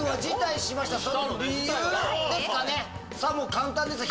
簡単ですよ。